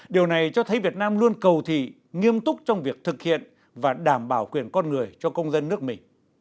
điều này cho thấy việt nam luôn cầu thị nghiêm túc trong việc thực hiện và đảm bảo quyền con người cho công dân nước mình